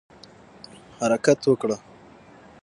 حرکت وکړه